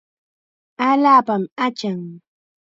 Allaapami achan.